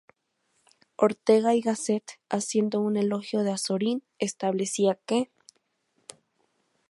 Ortega y Gasset, haciendo un elogio de Azorín, establecía que